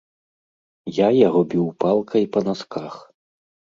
Я яго біў палкай па насках.